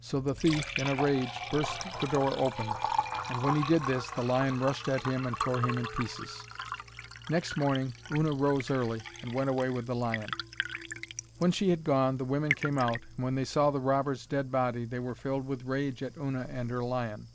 So the thief, in a rage, burst the door open, and when he did this, the lion rushed at him and tore him in pieces. Next morning Una rose early and went away with the lion. When she had gone, the women came out, and when they saw the robber's dead body, they were filled with rage at Una and her lion.